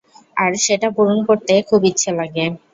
আর, সেটা পূরণ করতে খুব ইচ্ছা লাগে।